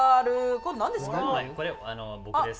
これは僕です。